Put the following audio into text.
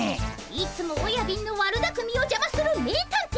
いつもおやびんの悪だくみをじゃまする名探偵